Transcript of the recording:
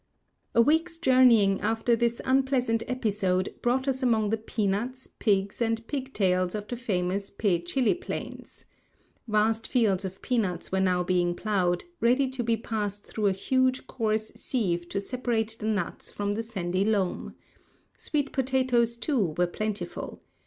MONUMENT NEAR CHANG SHIN DIEN. VI 193 A week's journeying after this unpleasant episode brought us among the peanuts, pigs, and pig tails of the famous Pe chili plains. Vast fields of peanuts were now being plowed, ready to be passed through a huge coarse sieve to separate the nuts from the sandy loam. Sweet potatoes, too, were plentiful.